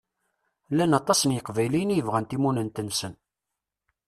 Llan aṭas n Iqbayliyen i yebɣan timunent-nsen.